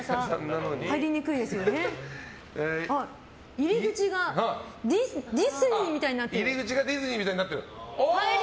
入り口がディズニーみたいになってる。